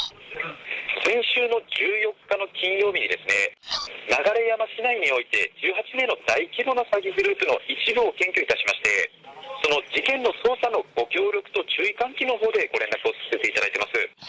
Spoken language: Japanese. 先週の１４日の金曜日に、流山市内において１８名の大規模な詐欺グループの一部を検挙いたしまして、その事件の捜査のご協力と注意喚起のほうで、ご連絡をさせていただいています。